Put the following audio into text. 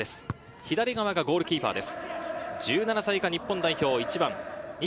左側がゴールキーパーです。